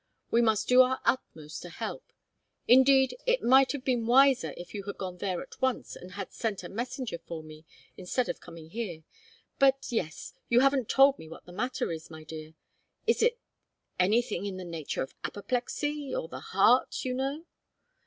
We must do our utmost to help. Indeed it might have been wiser if you had gone there at once and had sent a messenger for me, instead of coming here. But yes you haven't told me what the matter is, my dear. Is it anything in the nature of apoplexy or the heart you know?